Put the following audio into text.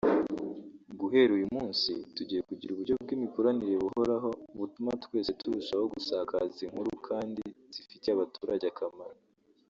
Guhera uyu munsi tugiye kugira uburyo bw’imikoranire buhoraho butuma twese turushaho gusakaza inkuru kandi zifitiye abaturage akamaro